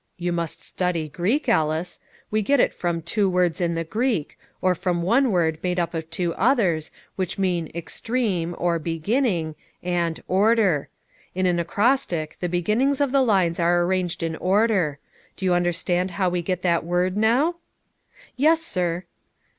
"You must study Greek, Ellis. We get it from two words in the Greek, or from one word made up of two others, which mean extreme, or beginning and order. In an acrostic the beginnings of the lines are arranged in order. Do you understand how we get that word now?" "Yes, sir."